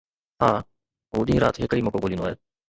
ها، هو ڏينهن رات هڪ ئي موقعو ڳوليندو آهي